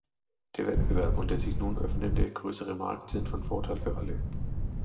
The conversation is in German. Der Wettbewerb und der sich nun öffnende größere Markt sind von Vorteil für alle.